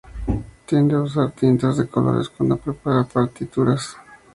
Tiende a usar tintas de colores cuando prepara partituras.